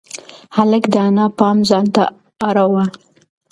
هلک د انا پام ځان ته اړاوه.